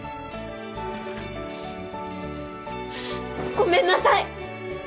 ごめんなさい。